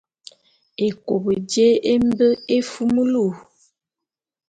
Ékop jé e mbe éfumulu.